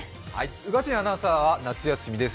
宇賀神アナウンサーは夏休みです。